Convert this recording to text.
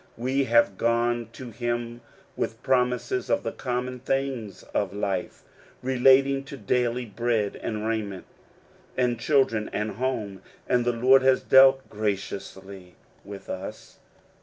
We have gone to him with promises of the common things of life, relating to daily bread, and raiment, and children, and home ; and the Lord has dealt graciously with us.